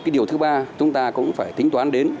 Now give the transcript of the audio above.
cái điều thứ ba chúng ta cũng phải tính toán đến